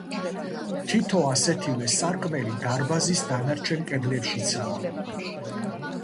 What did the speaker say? თითო ასეთივე სარკმელი დარბაზის დანარჩენ კედლებშიცაა.